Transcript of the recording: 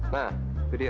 nah itu dia